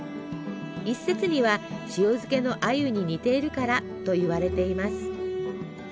一説には塩漬けのあゆに似ているからといわれています。